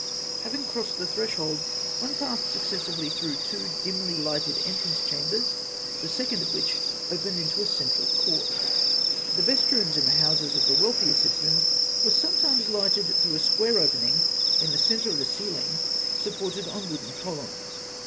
Having crossed the threshold, one passed successively through two dimly lighted entrance chambers, the second of which opened into the central court (fig. 7). The best rooms in the houses of wealthier citizens were sometimes lighted through a square opening in the centre of a ceiling supported on wooden columns.